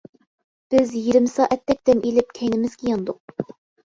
بىز يېرىم سائەتتەك دەم ئېلىپ كەينىمىزگە ياندۇق.